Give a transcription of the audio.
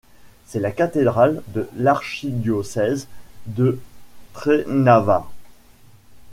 C'est la cathédrale de l'archidiocèse de Trnava.